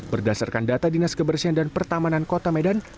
berdasarkan data dinas kebersihan dan pertamanan kota medan